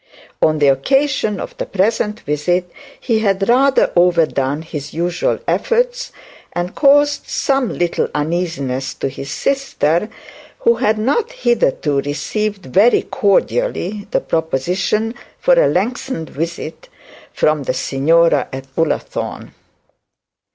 On the occasion of the present visit he had rather overdone his usual efforts, and caused some little uneasiness to his sister, who had not hitherto received very cordially the proposition for a lengthened visit from the signora at Ullathorne.